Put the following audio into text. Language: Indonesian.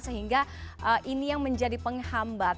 sehingga ini yang menjadi penghambat